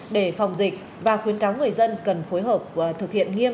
để phòng dịch và khuyến cáo người dân cần phối hợp thực hiện nghiêm